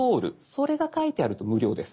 それが書いてあると無料です。